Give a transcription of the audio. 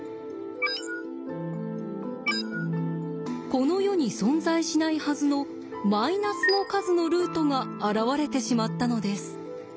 この世に存在しないはずのマイナスの数のルートが現れてしまったのです。